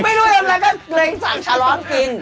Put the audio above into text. ไม่รู้ทำอะไรก็เลยสั่งชาร้อนกิน